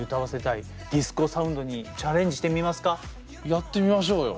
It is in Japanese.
やってみましょうよ。